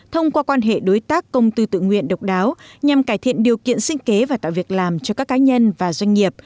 thông qua quan hệ đối tác công tư tự nguyện độc đáo nhằm cải thiện điều kiện sinh kế và tạo việc làm cho các cá nhân và doanh nghiệp